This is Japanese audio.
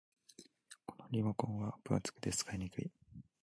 このリモコンは分厚くて使いにくい